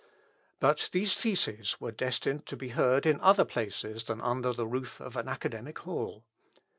But these theses were destined to be heard in other places than under the roof of an academical hall.